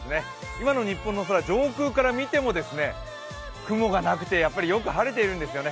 今の日本の空、上空から見ても、雲がなくて、よく晴れているんですよね。